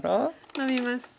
ノビまして。